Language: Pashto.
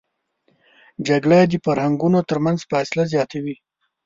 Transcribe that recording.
جګړه د فرهنګونو تر منځ فاصله زیاتوي